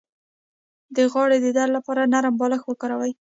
د غاړې د درد لپاره نرم بالښت وکاروئ